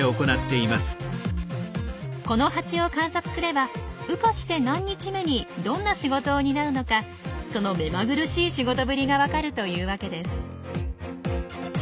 このハチを観察すれば羽化して何日目にどんな仕事を担うのかその目まぐるしい仕事ぶりが分かるというわけです。